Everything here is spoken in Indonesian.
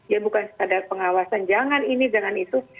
ya bukan sekadar pengawasan jangan ini jangan itu